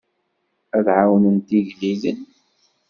Ad ɛawnent igellilen.